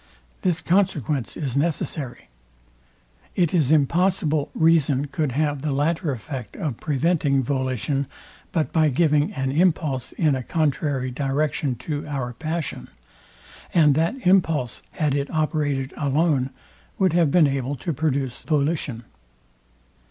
This consequence is necessary. It is impossible reason could have the latter effect of preventing volition, but by giving an impulse in a contrary direction to our passion; and that impulse, had it operated alone, would have been able to produce volition.